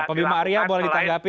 ya pemimpa arya boleh ditanggapi